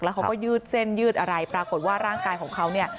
เขาก็ยืดเส้นยืดอะไรปรากฏว่าร่างกายของเขาเนี่ย